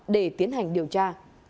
để tiến hành điều tra